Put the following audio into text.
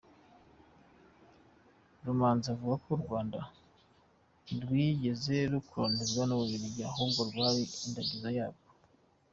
Rumanzi avuga ko U Rwanda ntirwigeze rukoronizwa n’Ububiligi ahubwo rwari indagizo yabwo.